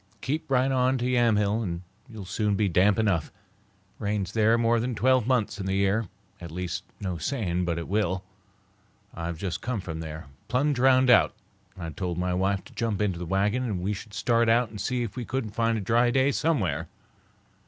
"Keep right on to Yamhill and you'll soon be damp enough. It rains there more than twelve months in the year; at least, no saying but it will. I've just come from there, plumb drownded out, and I told my wife to jump into the wagon and we should start out and see if we couldn't find a dry day somewhere.